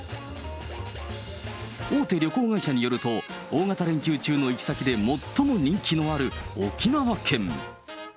大手旅行会社によると、大型連休中の行き先で最も人気のある沖縄県。